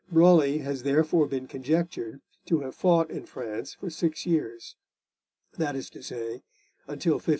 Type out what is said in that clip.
Raleigh has therefore been conjectured to have fought in France for six years, that is to say, until 1575.